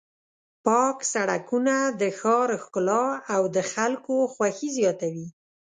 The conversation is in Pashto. پاک سړکونه د ښار ښکلا او د خلکو خوښي زیاتوي.